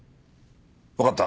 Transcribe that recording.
わかった。